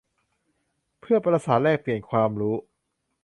เพื่อประสานแลกเปลี่ยนความรู้